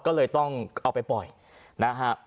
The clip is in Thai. ก็เลยต้องเอาไปปล่อยนะฮะ